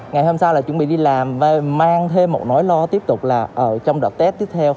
ngày hôm sau là chuẩn bị đi làm và mang thêm một nỗi lo tiếp tục là ở trong đợt tết tiếp theo